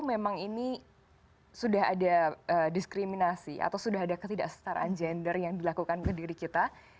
memang ini sudah ada diskriminasi atau sudah ada ketidaksetaraan gender yang dilakukan ke diri kita